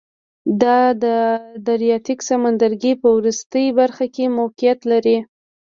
د ادریاتیک سمندرګي په وروستۍ برخه کې موقعیت لري.